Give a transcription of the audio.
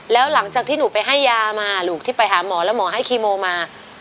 แล้วหลังจากที่หนูไปให้ยามาลูกที่ไปหาหมอแล้วหมอให้คีโมมา